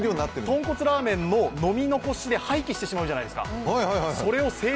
とんこつラーメンの飲み残しで、廃棄してしまうじゃないですか。